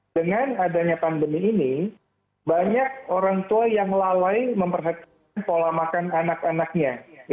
dengan adanya pandemi ini banyak orang tua yang lalai memperhatikan pola makan anak anaknya